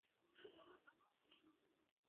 张大受的有一门生名李绂。